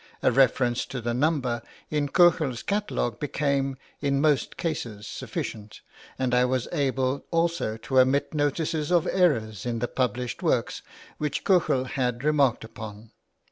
A reference to the number in Köchel's catalogue became, in most cases, sufficient; and I was able also to omit notices of errors in the published works which Köchel had remarked upon.